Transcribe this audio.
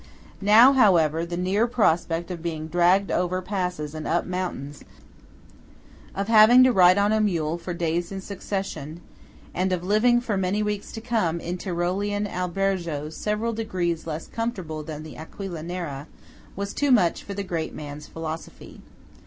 Now, however, the near prospect of being dragged over passes and up mountains; of having to ride on a mule for days in succession; and of living for many weeks to come in Tyrolean albergos several degrees less comfortable than the Aquila Nera, was too much for the great man's philosophy.